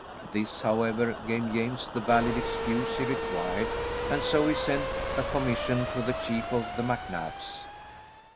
This, however, gave James the valid excuse he required, and so he sent a commission to the chief of the MacNabs.